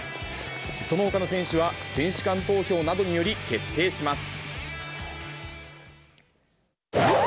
そのほかの選手は選手間投票などにより決定します。